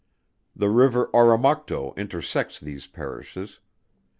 The river Oromocto intersects these parishes.